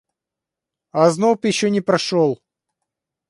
Озноб еще не прошел.